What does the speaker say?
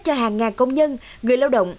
cho hàng ngàn công nhân người lao động